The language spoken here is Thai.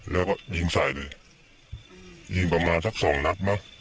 แล้วก็ยิงใส่เลยยิงประมาณสักสองนัดมั้ง